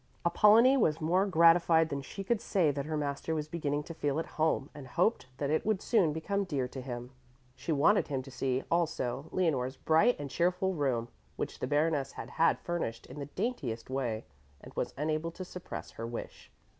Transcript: Apollonie was more gratified than she could say that her master was beginning to feel at home and hoped that it would soon become dear to him. She wanted him to see also Leonore's bright and cheerful room, which the Baroness had had furnished in the daintiest way, and was unable to suppress her wish.